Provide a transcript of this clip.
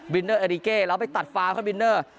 บินเนอร์เอริเก้แล้วไปตัดฟ้าข้างบินเนอร์